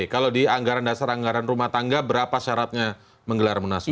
kalau di anggaran dasar anggaran rumah tangga berapa syaratnya menggelar munaslup